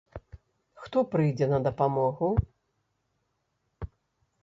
Хто прыйдзе на дапамогу?